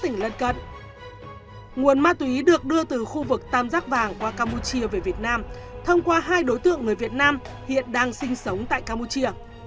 nguồn ma túy được đưa từ khu vực tam giác vàng qua campuchia về việt nam thông qua hai đối tượng người việt nam hiện đang sinh sống tại campuchia